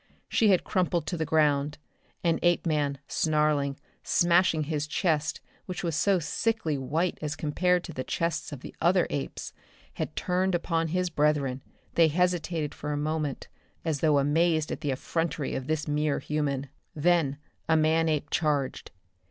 She had crumpled to the ground, and Apeman, snarling, smashing his chest which was so sickly white as compared to the chests of the other apes, had turned upon his brethren. They hesitated for a moment as though amazed at the effrontery of this mere human. Then a man ape charged.